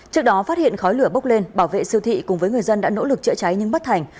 trước đó phát hiện khói lửa bốc lên bảo vệ siêu thị cùng với người dân đã nỗ lực chữa cháy nhưng bất thành